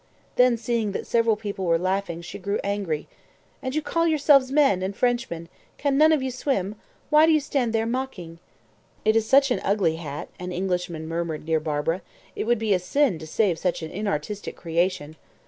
Then, seeing that several people were laughing, she grew angry. "And you call yourselves men, and Frenchmen! Can none of you swim? Why do you stand there mocking?" "It is such an ugly hat," an Englishman murmured near Barbara. "It would be a sin to save such an inartistic creation."